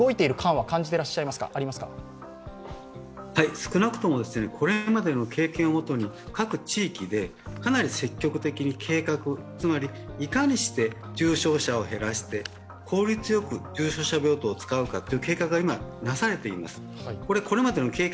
はい、少なくともこれまでの経験をもとに各地域でかなり積極的に計画いかにして重症者を減らして効率よく重症者病棟を使うかです。